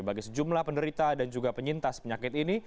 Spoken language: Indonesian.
bagi sejumlah penderita dan juga penyintas penyakit ini